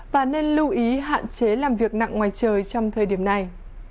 và nên lưu ý hạn chế làm việc nặng ngoài trời trong thời điểm này